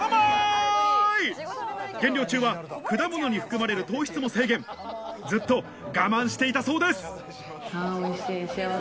減量中は果物に含まれる糖質も制限ずっと我慢していたそうです